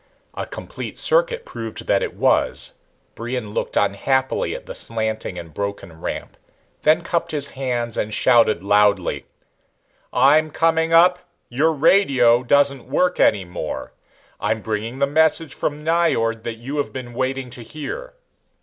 A complete circuit proved that it was. Brion looked unhappily at the slanting and broken ramp, then cupped his hands and shouted loudly. "I'm coming up. Your radio doesn't work any more. I'm bringing the message from Nyjord that you have been waiting to hear."